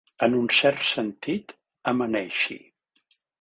En un cert sentit, amaneixi.